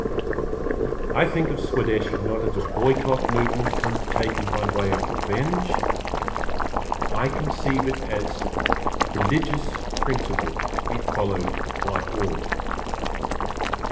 I think of Swadeshi not as a boycott movement undertaken by way of revenge. I conceive it as religious principle to be followed by all.